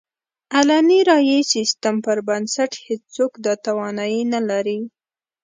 علني رایې سیستم پر بنسټ هېڅوک دا توانایي نه لري.